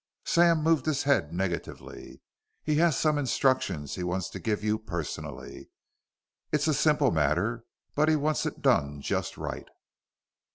Sam moved his head negatively. "He has some instructions he wants to give you personally. It's a simple matter, but he wants it done just right."